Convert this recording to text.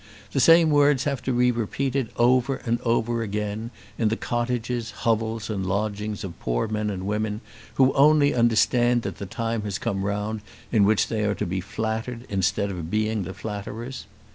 The same words have to be repeated over and over again in the cottages, hovels, and lodgings of poor men and women who only understand that the time has come round in which they are to be flattered instead of being the flatterers.